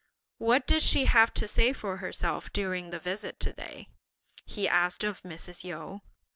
"What did she have to say for herself during this visit to day?" he asked of Mrs. Yu.